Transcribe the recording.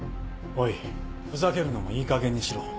おいふざけるのもいいかげんにしろ。